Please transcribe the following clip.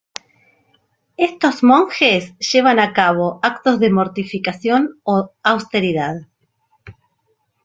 Estos monjes llevan a cabo actos de mortificación o austeridad.